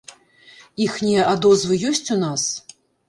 Іхнія адозвы ёсць у нас?